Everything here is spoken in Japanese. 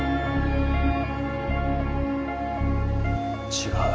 違う。